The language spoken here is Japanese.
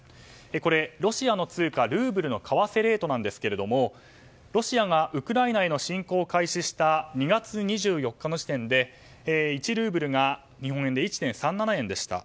これはロシアの通貨ルーブルの為替レートなんですけどもロシアがウクライナへの侵攻を開始した２月２４日の時点で１ルーブルが日本円で１．３７円でした。